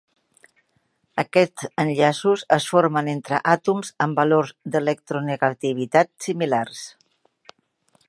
Aquests enllaços es formen entre àtoms amb valors d'electronegativitat similars.